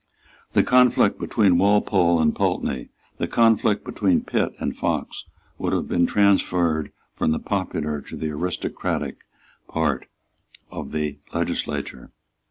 The conflict between Walpole and Pulteney, the conflict between Pitt and Fox, would have been transferred from the popular to the aristocratic part of the legislature.